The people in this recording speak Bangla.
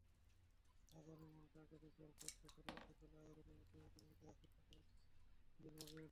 আবার এমনটা একাধিকবার ঘটলে পরবর্তীতে আবেদনের মাধ্যমেই তিনি প্রশাসকত্ব ফিরে পাবেন।